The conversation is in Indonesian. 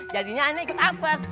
jadinya aneh ikut apes